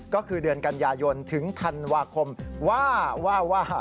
ก็คือเดือนกันยายนถึงธันวาคมว่าว่า